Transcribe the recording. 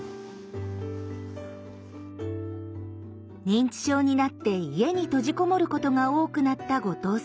認知症になって家に閉じ籠もることが多くなった後藤さん。